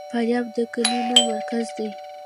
فاریاب د قالینو مرکز دی